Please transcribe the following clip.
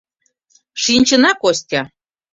— Шинчына, Костя.